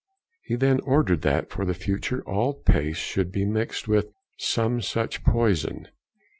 He then ordered that for the future all paste should be mixed with some such poison.